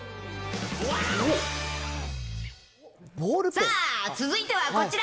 さあ、続いてはこちら。